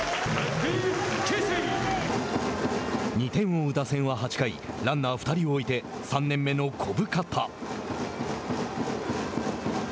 ２点を追う打線は８回、ランナー２人を置いて３年目の小深田。